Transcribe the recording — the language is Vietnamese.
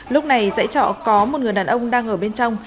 lúc này dãy trọ có một người đàn ông đang ở bên trong